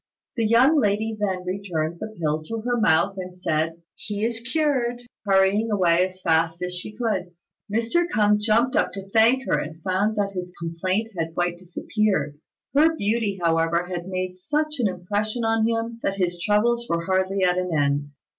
The young lady then returned the pill to her mouth, and said, "He is cured," hurrying away as fast as she could. Mr. K'ung jumped up to thank her, and found that his complaint had quite disappeared. Her beauty, however, had made such an impression on him that his troubles were hardly at an end.